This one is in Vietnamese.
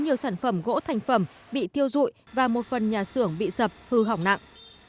nhiều sản phẩm gỗ thành phẩm bị thiêu dụi và một phần nhà xưởng bị sập hư hỏng nặng